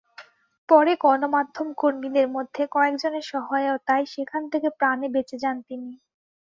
পরে গণমাধ্যমকর্মীদের মধ্যে কয়েকজনের সহায়তায় সেখান থেকে প্রাণে বেঁচে যান তিনি।